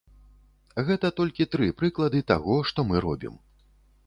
Гэта толькі тры прыклады таго, што мы робім.